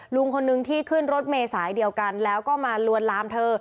ลุงคนนึงที่ขึ้นรถเมษายเดียวกันแล้วก็มาลวนลามเธอ